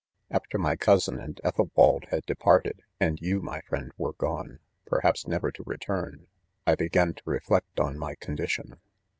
■"After my cousin andEthalwald had depart* edandyou, my friend were, gone, perhaps neve? to return, I began to reflect on my condition.